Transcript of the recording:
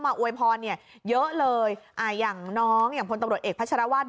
อวยพรเนี่ยเยอะเลยอ่าอย่างน้องอย่างพลตำรวจเอกพัชรวาส